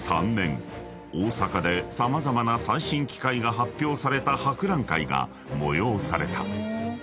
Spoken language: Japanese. ［大阪で様々な最新機械が発表された博覧会が催された］